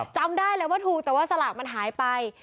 จำได้เลยว่าถูกแต่ว่าสลากมันหายไป